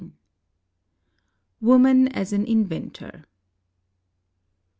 org. WOMAN AS AN INVENTOR.